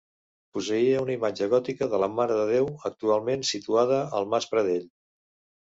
Posseïa una imatge gòtica de la Mare de Déu, actualment situada al Mas Pradell.